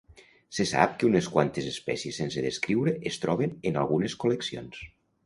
Se sap que unes quantes espècies sense descriure es troben en algunes col·leccions.